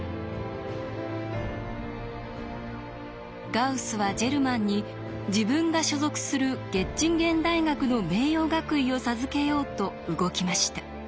ガウスはジェルマンに自分が所属するゲッチンゲン大学の名誉学位を授けようと動きました。